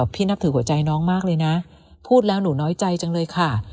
นับถือหัวใจน้องมากเลยนะพูดแล้วหนูน้อยใจจังเลยค่ะ